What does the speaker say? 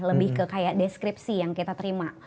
lebih ke kayak deskripsi yang kita terima